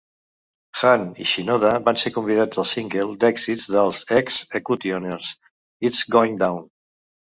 Hahn i Shinoda van ser convidats al single d'èxit dels X-Ecutioners, "It's Goin' Down".